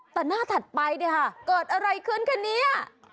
แต่หน้าถัดไปเนี่ยค่ะเกิดอะไรขึ้นคะเนี่ย